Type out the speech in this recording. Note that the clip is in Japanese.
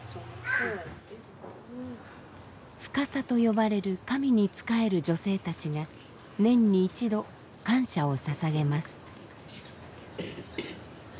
ツカサと呼ばれる神に仕える女性たちが年に一度感謝をささげます。